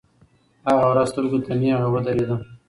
هغه ورځ سترګو ته نیغه ودرېده.